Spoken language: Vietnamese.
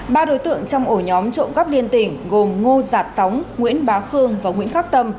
ba đối tượng trong ổ nhóm trộm cắp liên tỉnh gồm ngô giạt sóng nguyễn bá khương và nguyễn khắc tâm